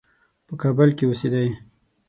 په کابل کې اوسېدی.